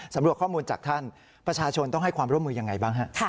รวมข้อมูลจากท่านประชาชนต้องให้ความร่วมมือยังไงบ้างฮะ